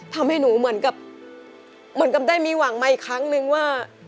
ทำให้หนูเหมือนกับเหมือนกับได้มีหวังมาอีกครั้งนึงว่า